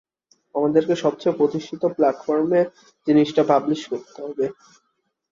আমাদেরকে সবচেয়ে প্রতিষ্ঠিত প্ল্যাটফর্মে জিনিসটা পাবলিশ করতে হবে।